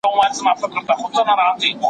که حکومت مرسته ونه کړي، پلان نه سي پلي کېدای.